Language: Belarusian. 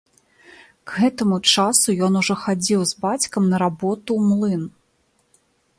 К гэтаму часу ён ужо хадзіў з бацькам на работу ў млын.